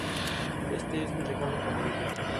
Brawl y en Super Smash Bros.